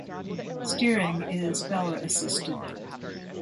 Steering is power assisted.